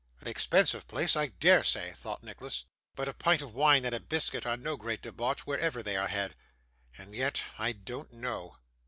'An expensive place, I dare say,' thought Nicholas; 'but a pint of wine and a biscuit are no great debauch wherever they are had. And yet I don't know.